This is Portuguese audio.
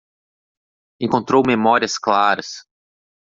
Encontrou memórias claras